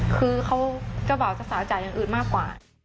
คือเขาจะเบาสาวจ่ายอย่างอื่นมากกว่า